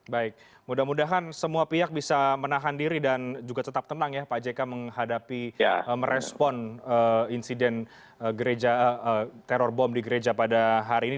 baik mudah mudahan semua pihak bisa menahan diri dan juga tetap tenang ya pak jk menghadapi merespon insiden teror bom di gereja pada hari ini